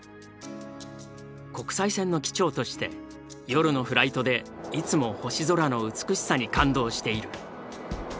国際線の機長として夜のフライトでいつも星空の美しさに感動している。